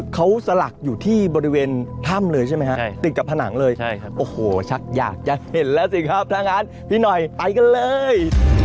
เขาสลักอยู่ที่บริเวณถ้ำเลยใช่ไหมฮะติดกับผนังเลยโอ้โหชักอยากจะเห็นแล้วสิครับถ้างั้นพี่หน่อยไปกันเลย